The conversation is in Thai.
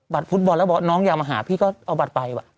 บัตรผู้ตบองแล้วบอกน้องอยากมาหาพี่ก็เอาบัตรไป